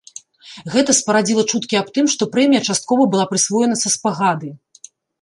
Гэта спарадзіла чуткі аб тым, што прэмія часткова была прысвоена са спагады.